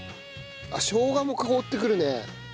しょうがも香ってくるね。